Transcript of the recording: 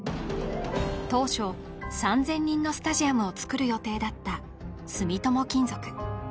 当初３０００人のスタジアムを造る予定だった住友金属